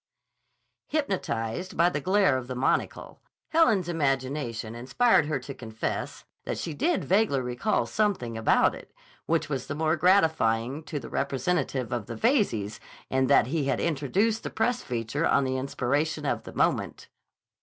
Hypnotized by the glare of the monocle, Helen's imagination inspired her to confess that she did vaguely recall something about it, which was the more gratifying to the representative of the Veyzes in that he had introduced the press feature on the inspiration of the moment.